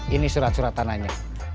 ini surat surat tanahnya